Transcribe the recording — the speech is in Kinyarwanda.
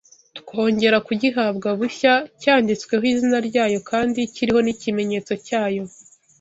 twongera kugihabwa bushya cyanditsweho izina ryayo kandi kiriho n’ikimenyetso cyayo